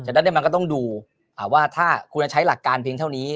ได้มันก็ต้องดูว่าถ้าคุณจะใช้หลักการเพียงเท่านี้